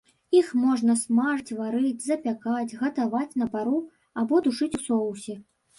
Іх можна смажыць, варыць, запякаць, гатаваць на пару або тушыць у соусе.